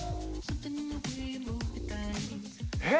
え？